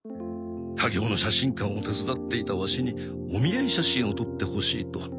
家業の写真館を手伝っていたワシにお見合い写真を撮ってほしいと。